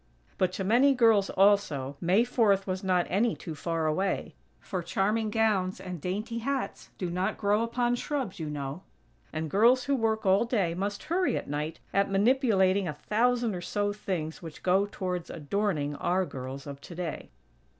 But to many girls, also, May Fourth was not any too far away; for charming gowns and dainty hats do not grow upon shrubs, you know; and girls who work all day must hurry at night, at manipulating a thousand or so things which go towards adorning our girls of today.